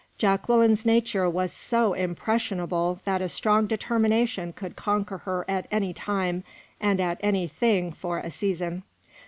Jacqueline's nature was so impressionable that a strong determination could conquer her at any time and at any thing for a season.